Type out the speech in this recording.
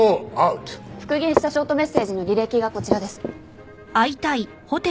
復元したショートメッセージの履歴がこちらです。